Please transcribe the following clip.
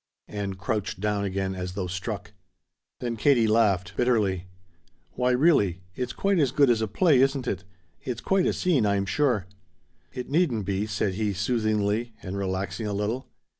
Ann crouched down again as though struck. Then Katie laughed, bitterly. "Why really, it's quite as good as a play, isn't it? It's quite a scene, I'm sure." "It needn't be," said he soothingly, and relaxing a little.